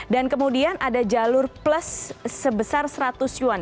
dan kemudian ada jalur plus sebesar seratus yuan